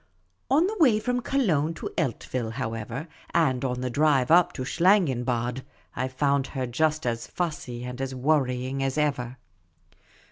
On the way from Cologne to Eltville, however, and on the drive up to Schlangenbad, I found her just as fussy and as worrying as ever.